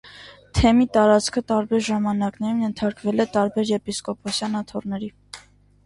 Թեմի տարածքը տարբեր ժամանակներում ենթարկվել է տարբեր եպիսկոպոսական աթոռների։